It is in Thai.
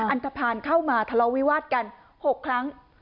อันทภาณเข้ามาทะเลาวิวาสกัน๖ครั้ง